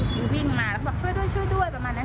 พี่วิ่งมาแล้วก็บอกช่วยด้วยประมาณนั้น